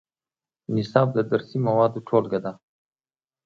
نصاب د درسي موادو ټولګه ده